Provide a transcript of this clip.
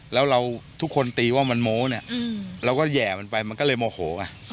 แล้วเราทุกคนตีว่ามันโม้เนี่ยเราก็แห่มันไปมันก็เลยโมโหไง